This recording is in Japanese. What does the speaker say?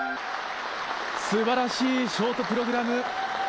素晴らしいショートプログラム。